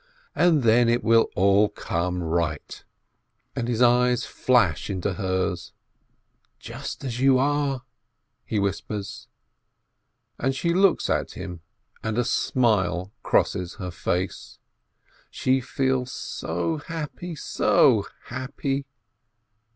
"And then it will all come right," and his eyes flash into hers. "Just as you are ..." he whispers. And she looks at him, and a smile crosses her face. She feels so happy, so happy.